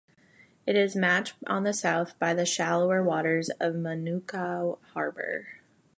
It is matched on the south by the shallower waters of Manukau Harbour.